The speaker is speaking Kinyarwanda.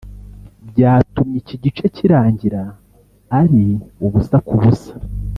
byatumye iki gice kirangira ari ubusa ku busa